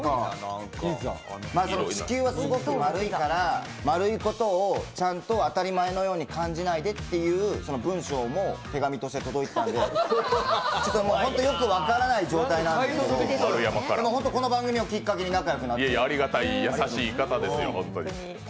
地球はすごく丸いから丸いことをちゃんと当たり前のように感じないでと言う文章も手紙として届いていたので、ちょっともう本当に分からない状態なんですけど、この番組をきっかけに仲良くなって。